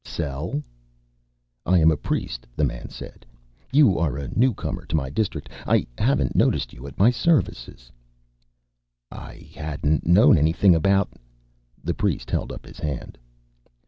"Sell?" "I am a priest," the man said. "You are a newcomer to my district. I haven't noticed you at services." "I hadn't known anything about " The priest held up his hand.